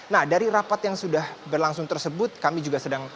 nah dari rapat yang sudah berlangsung tersebut kami juga sedang